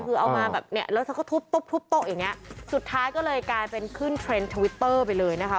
คือเอามาแบบเนี้ยแล้วเธอก็ทุบตุ๊บทุบโต๊ะอย่างเงี้ยสุดท้ายก็เลยกลายเป็นขึ้นเทรนด์ทวิตเตอร์ไปเลยนะคะ